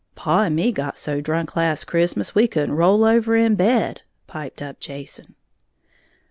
"Paw and me got so drunk last Christmas we couldn't roll over in bed," piped up Jason.